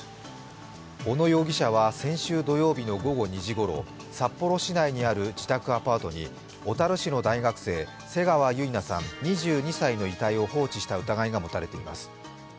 小野容疑者は先週土曜日の午後２時ごろ札幌市内にある自宅アパートに小樽市の大学生瀬川結菜さん２２歳の遺体を放置した疑いが持たれています。